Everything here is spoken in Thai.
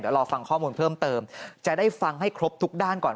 เดี๋ยวรอฟังข้อมูลเพิ่มเติมจะได้ฟังให้ครบทุกด้านก่อน